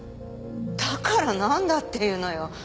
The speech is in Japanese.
だからなんだっていうのよ。